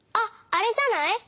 あれじゃない？